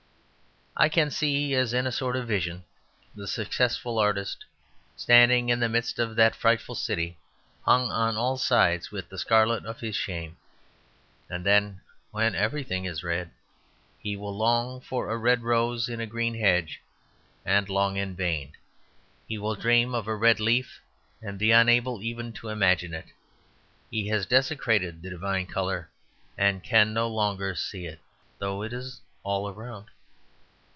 I can see, as in a sort of vision, the successful artist standing in the midst of that frightful city, hung on all sides with the scarlet of his shame. And then, when everything is red, he will long for a red rose in a green hedge and long in vain; he will dream of a red leaf and be unable even to imagine it. He has desecrated the divine colour, and he can no longer see it, though it is all around.